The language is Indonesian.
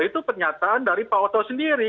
itu pernyataan dari pak oto sendiri